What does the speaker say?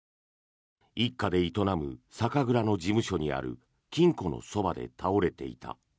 一家で営む酒蔵の事務所にある金庫のそばで倒れていた。